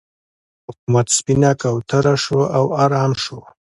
حکومت سپینه کوتره شو او ارام شو.